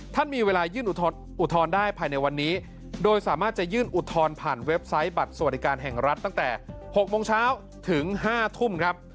มีเวลายื่นอุทธรณ์ได้ภายในวันนี้โดยสามารถจะยื่นอุทธรณ์ผ่านเว็บไซต์บัตรสวัสดิการแห่งรัฐตั้งแต่๖โมงเช้าถึง๕ทุ่มครับ